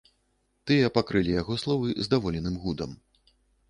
Тыя пакрылі яго словы здаволеным гудам.